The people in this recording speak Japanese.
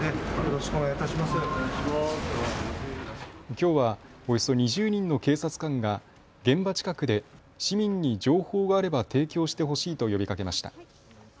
きょうはおよそ２０人の警察官が現場近くで市民に情報があれば提供してほしいと呼びかけました。